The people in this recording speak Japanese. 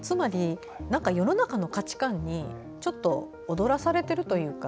世の中の価値観に踊らされてるというか。